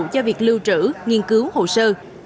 cho việc lưu trữ nghiên cứu hồ sơ